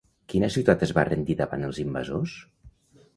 Quina ciutat es va rendir davant els invasors?